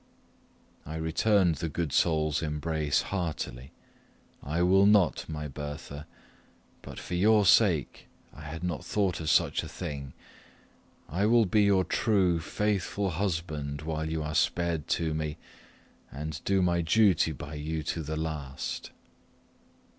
I returned the good soul's embrace heartily. "I will not, my Bertha; but for your sake I had not thought of such a thing. I will be your true, faithful husband while you are spared to me, and do my duty by you to the last."